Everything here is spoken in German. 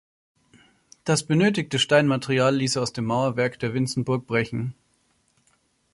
Das benötigte Steinmaterial ließ er aus dem Mauerwerk der Winzenburg brechen.